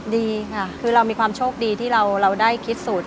ดีค่ะคือเรามีความโชคดีที่เราได้คิดสูตร